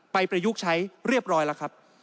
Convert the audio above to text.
ประยุกต์ใช้เรียบร้อยแล้วครับ